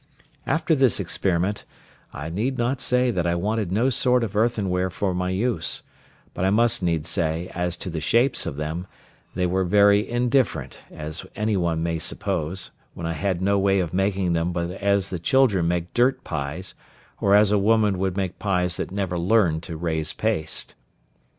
After this experiment, I need not say that I wanted no sort of earthenware for my use; but I must needs say as to the shapes of them, they were very indifferent, as any one may suppose, when I had no way of making them but as the children make dirt pies, or as a woman would make pies that never learned to raise paste.